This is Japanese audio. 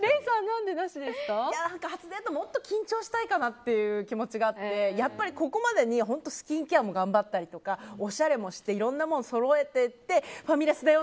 初デートもっと緊張したいかなっていう気持ちがあってやっぱり、ここまでにスキンケアも頑張ったりとかおしゃれもしていろんなものをそろえていってファミレスだよ